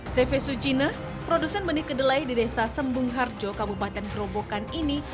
cv sujina produsen benih kedelai di desa sembung harjo kabupaten gerobokan ini